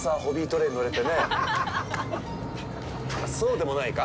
あっ、そうでもないか？